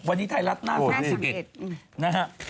วันนี้ไทยรัฐน่าม่ารัก๓๑นะครับ